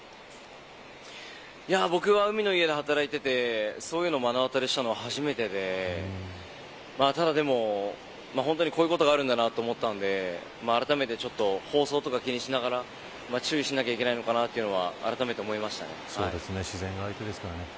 僕は海の家で働いていてそういうのを目の当りにしたのは初めてでただでも、本当にこういうことがあるんだと思ったのであらためて放送とか気にしながら注意しなきゃいけないんだなと自然が相手ですからね。